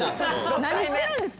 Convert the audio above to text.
何してるんですか？